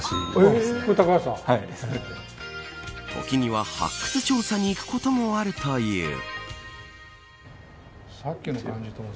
時には発掘調査に行くこともあるという。